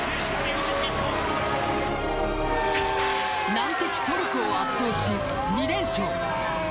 難敵・トルコを圧倒し２連勝。